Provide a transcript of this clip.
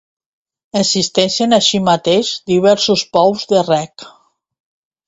Existeixen així mateix, diversos pous de reg.